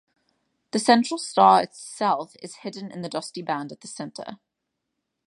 The central star itself is hidden in the dusty band at the center.